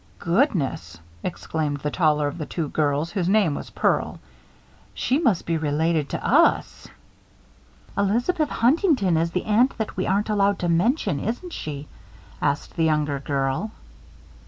"Goodness!" exclaimed the taller of the two girls, whose name was Pearl; "she must be related to us!" "Elizabeth Huntington is the aunt that we aren't allowed to mention, isn't she?" asked the younger girl.